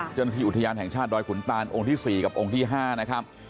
เจ้าหน้าที่อุทยานแห่งชาติดอยขุนตานองค์ที่๔กับองค์ที่๕นะครับ